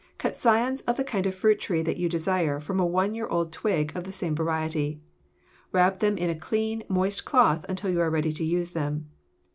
THE STEPS IN BUDDING] Cut scions of the kind of fruit tree you desire from a one year old twig of the same variety. Wrap them in a clean, moist cloth until you are ready to use them.